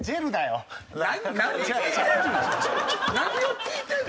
何を聞いてるの？